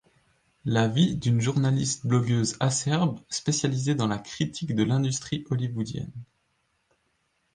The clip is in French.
La vie d'une journaliste-blogueuse acerbe, spécialisée dans la critique de l'industrie hollywoodienne.